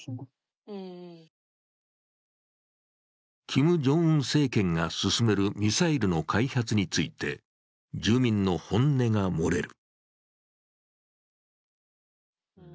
キム・ジョンウン政権が進めるミサイルの開発について、住民の本音が漏れる。